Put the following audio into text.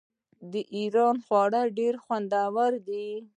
د ایران خواړه ډیر خوندور دي.